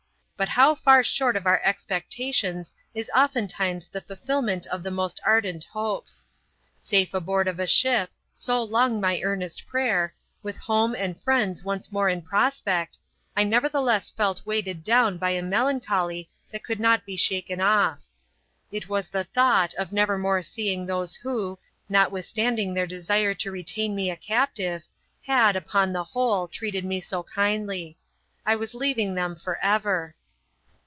But how far short of our expectations is oftentimes the fulfil ment of the most ardent hopes! Safe aboard of a ship — so long my earnest prayer — with home and friends once more in prospect, I nevertheless felt weighed down by a melancholy that could not be shaken off. It was the thought of never more seeing those, who, notwithstanding their desire to retain me a captive, had, upon the whole, treated me so kindly. I was leaving them for ever.